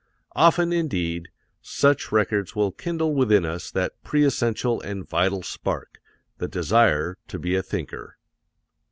Often, indeed, such records will kindle within us that pre essential and vital spark, the desire to be a thinker.